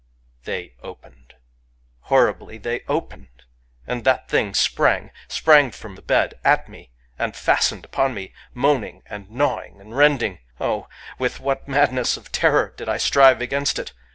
•.•" They OPENED !— horribly they opened !— and that thing sprang, — sprang from the bed at me, and fastened upon me, — moaning, and gnawing, and rending ! Oh ! with what madness of terror did I strive against it!